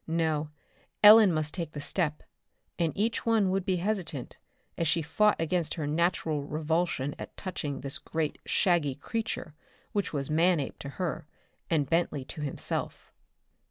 No, Ellen must take the step, and each one would be hesitant, as she fought against her natural revulsion at touching this great shaggy creature which was Manape to her, and Bentley to himself.